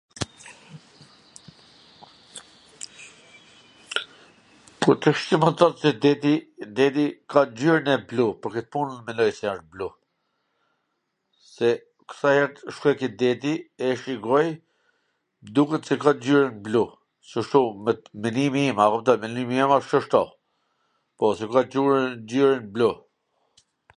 Po tashti qw ma thon ti deti ka ngjyrwn blu, un mendoj se asht blu, se sa her shkoj ke deti, e shikoj, duket se ka ngjyrwn blu, Cashtu, mendimi im, a kupton, mendimi im asht Cashtu, po se ngjyra wsht blu,